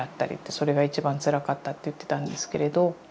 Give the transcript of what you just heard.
それが一番つらかったって言ってたんですけれど。